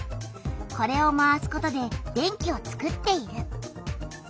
これを回すことで電気をつくっている。